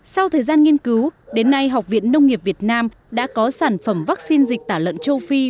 sau thời gian nghiên cứu đến nay học viện nông nghiệp việt nam đã có sản phẩm vaccine dịch tả lợn châu phi